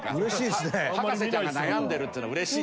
博士ちゃんが悩んでるっていうのは嬉しいですね。